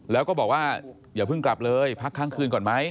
แล้วก็บอกว่าอย่าเพิ่งกลับเลยพักครั้งคืนก่อนไหม